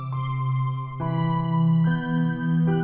pindah dalem ya